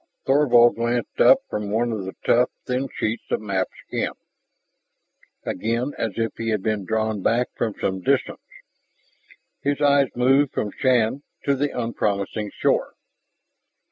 Thorvald glanced up from one of the tough, thin sheets of map skin, again as if he had been drawn back from some distance. His eyes moved from Shann to the unpromising shore.